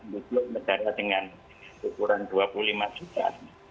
itu sudah dua kali lipat dengan ukuran dua puluh lima juta